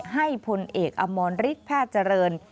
ให้พลเอกอมรฤทธิ์แพทย์เจริญ